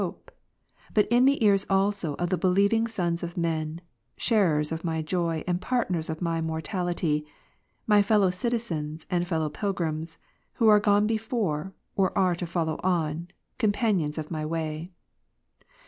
hope ; but in the ears also of the believing sons of men, sharers of my joy, and partners in my mortality, my fellow citizens, and fellow pilgrims, who are gone before, or are to follow on, companions of my way.